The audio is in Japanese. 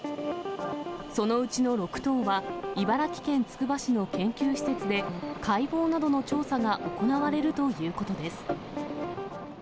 そのうちの６頭は、茨城県つくば市の研究施設で、解剖などの調査が行われるということです。